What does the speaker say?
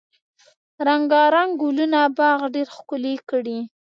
رنګارنګ ګلونه باغ ډیر ښکلی کړی.